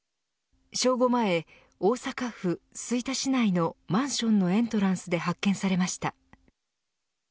正午前、大阪府吹田市内のマンションのエントランスで発見されました。